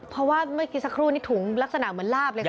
เพราะว่าเมื่อกี้สักครู่นี่ถุงลักษณะเหมือนลาบเลยค่ะ